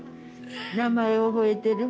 名前覚えてる？